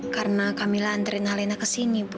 karena kamilah antri nalena ke sini bu